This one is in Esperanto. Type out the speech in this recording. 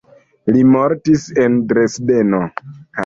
Li mortis en Dresdeno.